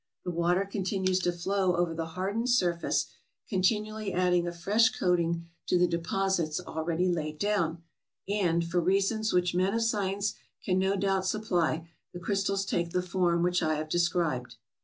The water continues to flow over the hardened surface, continually adding a fresh coating to the deposits already laid down, and, for reasons which men of science can no doubt supply, the crystals take the form which I have described.